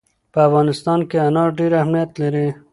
په افغانستان کې انار ډېر اهمیت لري.